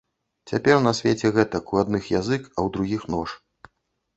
Цяпер на свеце гэтак, у адных язык, а ў другіх нож.